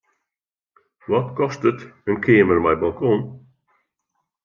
Wat kostet in keamer mei balkon?